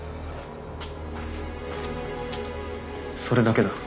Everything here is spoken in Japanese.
それだけだ。